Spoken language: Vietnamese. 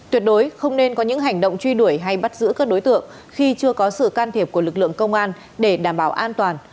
tuyệt đối không nên có những hành động truy đuổi hay bắt giữ các đối tượng khi chưa có sự can thiệp của lực lượng công an để đảm bảo an toàn